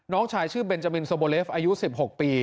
น้องชายชื่อเบนจามินโซโบเลฟอายุ๑๖ปี